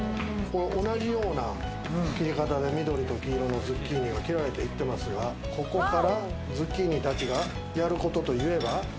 同じような切り方で緑と黄色のズッキーニが切られていっていますが、ここからズッキーニたちがやることといえば。